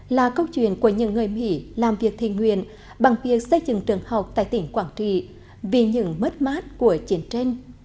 là câu chuyện của những người mỹ làm việc thi nguyện bằng việc xây dựng trường học tại tỉnh quảng trị vì những mất mát của chiến tranh